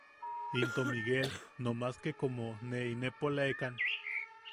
Into Miguel nomaske como ne inepolekan.